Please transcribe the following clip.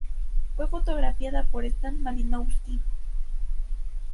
Fue fotografiada por Stan Malinowski.